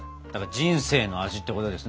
人生の味ってことですね。